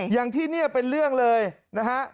อย่างที่นี่เป็นเรื่องเลยนะฮะ